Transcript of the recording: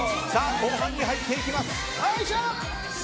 後半に入っていきます。